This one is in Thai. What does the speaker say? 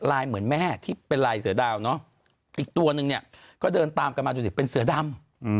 เหมือนแม่ที่เป็นลายเสือดาวเนอะอีกตัวนึงเนี่ยก็เดินตามกันมาดูสิเป็นเสือดำ